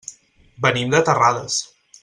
Venim de Terrades.